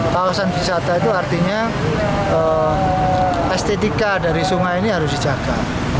kawasan wisata itu artinya estetika dari sungai ini harus dijaga